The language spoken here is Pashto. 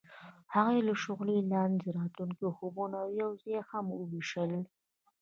هغوی د شعله لاندې د راتلونکي خوبونه یوځای هم وویشل.